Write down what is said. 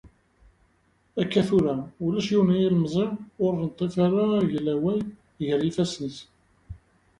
Akka tura, ulac yiwen n yilemẓi ur neṭṭif ara aglaway gar yifassen-is.